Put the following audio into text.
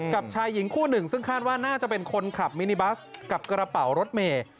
กับชายหญิงคู่หนึ่งซึ่งคาดว่าน่าจะเป็นคนขับมินิบัสกับกระเป๋ารถเมย์